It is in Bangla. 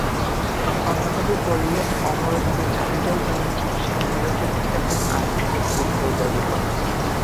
অন্যভাবে বললে, অমরত্বের চাবিটাই যেন ঠিক সামনে রেখে খেলবেন আর্জেন্টাইন ফুটবল জাদুকর।